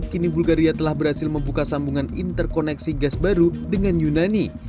kini bulgaria telah berhasil membuka sambungan interkoneksi gas baru dengan yunani